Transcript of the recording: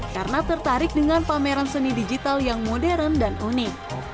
karena tertarik dengan pameran seni digital yang modern dan unik